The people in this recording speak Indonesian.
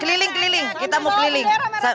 keliling keliling kita mau keliling